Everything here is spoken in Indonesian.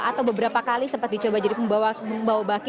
atau beberapa kali sempat dicoba jadi pembawa baki